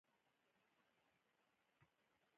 حیوانات احساس لري.